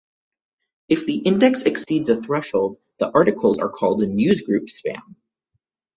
If the index exceeds a threshold the articles are called newsgroup spam.